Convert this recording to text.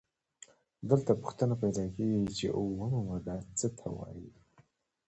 دلته پوښتنه پیدا کیږي چې اومه ماده څه ته وايي؟